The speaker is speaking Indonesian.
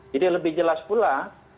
jadi lebih jelas pula